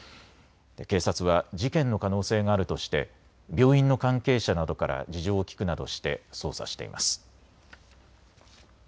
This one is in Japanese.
警察は事件の可能性があるとして病院の関係者などから事情を聞くなどして捜査しています。